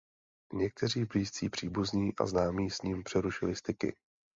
Někteří blízcí příbuzní a známí s ním přerušili styky.